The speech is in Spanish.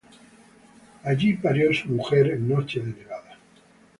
Allí parió su mujer en noche de nevada.